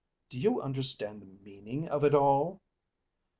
"Do you understand the meaning of it all?"